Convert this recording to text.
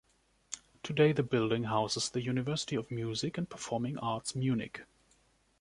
Today the building houses the University of Music and Performing Arts Munich.